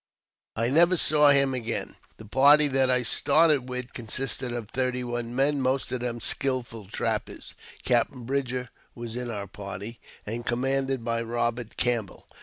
I never saw him again. The party that I started with consisted of thirty one men, most of them skilful trappers (Captain Bridger was in our party), and commanded by Robert Campbell.